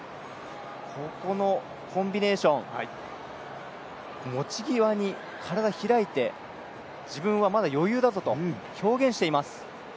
ここのコンビネーション、落ち際に体を開いて自分はまだ余裕だぞと表現しています。